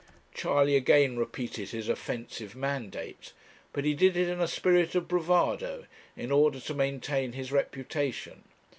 Charley again repeated his offensive mandate; but he did it in a spirit of bravado, in order to maintain his reputation.